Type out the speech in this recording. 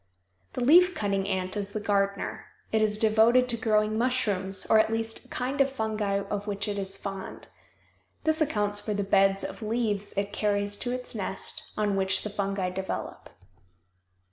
The leaf cutting ant is the gardener. It is devoted to growing mushrooms or at least a kind of fungi of which it is fond. This accounts for the beds of leaves it carries to its nest, on which the fungi develop.